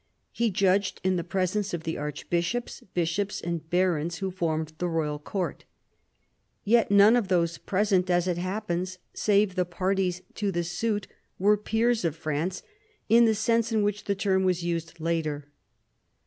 He judged in the presence of the archbishops, bishops, and barons who formed the royal court. Yet none of those present, as it happens, save the parties to the suit, were peers of France in the sense in which the term was used later.